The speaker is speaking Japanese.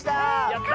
やった！